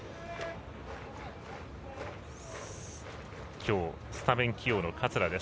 きょう、スタメン起用の桂。